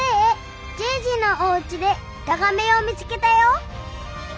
じいじのおうちでたがめをみつけたよ」。